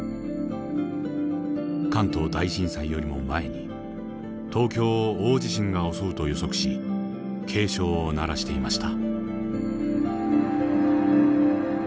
関東大震災よりも前に東京を大地震が襲うと予測し警鐘を鳴らしていました。